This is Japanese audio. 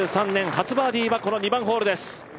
初バーディーはこの２番ホールです。